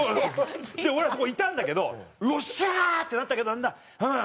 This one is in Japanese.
俺はそこいたんだけどよっしゃー！ってなったけどだんだんうん！